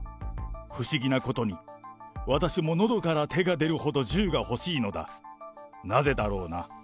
不思議なことに、私も喉から手が出るほど銃が欲しいのだ。